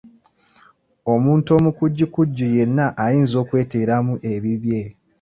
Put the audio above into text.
Omuntu omukujjukujju yenna ayinza okweteeramu ebibye.